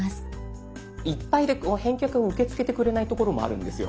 いっぱいで返却を受け付けてくれないところもあるんですよ。